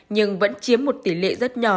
nhưng vẫn chiếm một tỉ lệ rất nhỏ